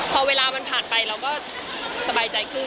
พอเวลามันผ่านไปเราก็สบายใจขึ้น